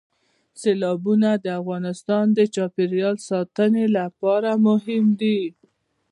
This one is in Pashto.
سیلابونه د افغانستان د چاپیریال ساتنې لپاره مهم دي.